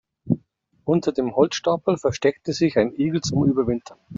Unter dem Holzstapel versteckte sich ein Igel zum Überwintern.